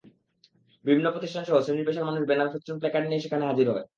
বিভিন্ন প্রতিষ্ঠানসহ শ্রেণি-পেশার মানুষ ব্যানার, ফেস্টুন, প্ল্যাকার্ড নিয়ে সেখানে হাজির হয়।